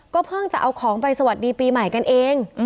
เพิ่งจะเอาของไปสวัสดีปีใหม่กันเอง